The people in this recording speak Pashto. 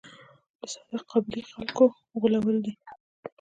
د ساده قبایلي خلکو غولول دي.